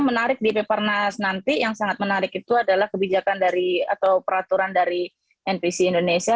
menarik di papernas adalah peraturan npc indonesia